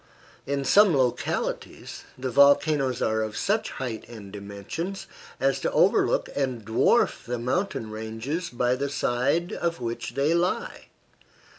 In some localities the volcanoes are of such height and dimensions as to overlook and dwarf the mountain ranges by the side of which they lie.